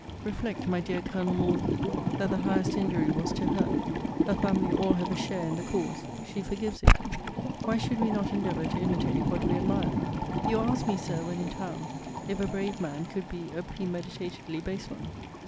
Reflect, my dear Colonel Morden, that the highest injury was to her: her family all have a share in the cause: she forgives it: Why should we not endeavour to imitate what we admire? You asked me, Sir, when in town, if a brave man could be a premeditatedly base one?